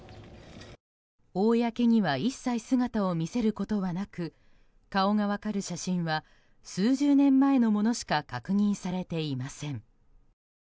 公には一切姿を見せることはなく顔が分かる写真は数十年前のものしか確認されていません。